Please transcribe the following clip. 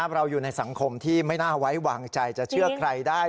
เราอยู่ในสังคมที่ไม่น่าไว้วางใจจะเชื่อใครได้